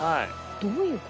どういう事？